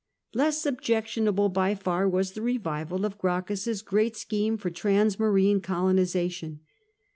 Less objectionable by far was the revival of Gracchus's great scheme for transmarine colonisation.